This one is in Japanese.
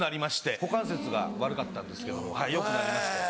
股関節が悪かったんですけども良くなりました。